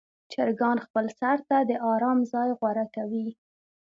چرګان خپل سر ته د آرام ځای غوره کوي.